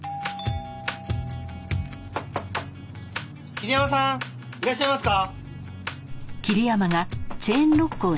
桐山さんいらっしゃいますか？